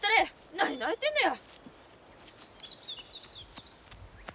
何泣いてんのや！